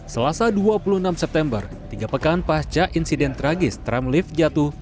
selasa dua puluh enam september tiga pekan pasca insiden tragis tram lift jatuh